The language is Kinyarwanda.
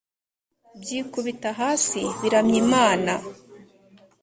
byikubita hasi biramya Imana